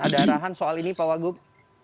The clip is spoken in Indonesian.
ada arahan soal ini pak wagub